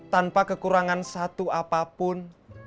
tanpa kekurangan satu apapun